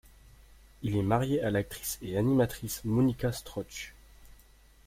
Il est marié à l'actrice et animatrice Monika Strauch.